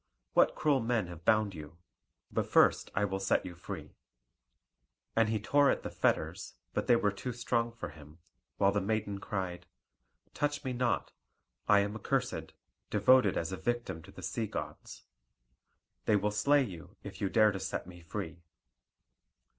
What cruel men have bound you? But first I will set you free." And he tore at the fetters, but they were too strong for him; while the maiden cried: "Touch me not; I am accursed, devoted as a victim to the sea gods. They will slay you, if you dare to set me free."